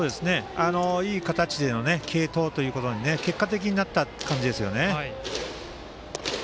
いい形での継投に結果的に、なった感じですよね。